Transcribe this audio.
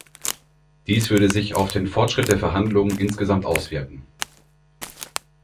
Dies würde sich auf den Fortschritt der Verhandlungen insgesamt auswirken.